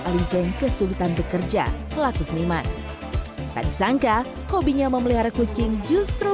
alijeng kesulitan bekerja selaku seniman tak disangka hobinya memelihara kucing justru